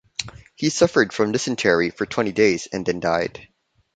He suffered from dysentery for twenty days and then died.